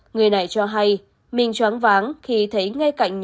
người này cho hay mình chóng váng khi thấy ngay cạnh bóng đá